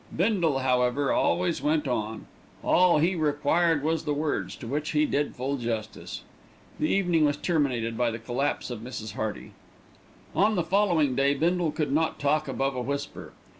Bindle, however, always went on. All he required was the words, to which he did full justice. The evening was terminated by the collapse of Mrs. Hearty. On the following day Bindle could not talk above a whisper.